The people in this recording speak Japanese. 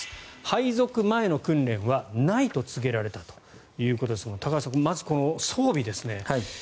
配属前の訓練はないと告げられたということですが高橋さん、まずこの装備ですね。